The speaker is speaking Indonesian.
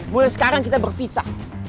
mulai sekarang kita berpisah